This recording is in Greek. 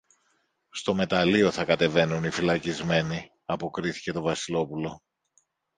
Στο μεταλλείο θα κατεβαίνουν οι φυλακισμένοι, αποκρίθηκε το Βασιλόπουλο.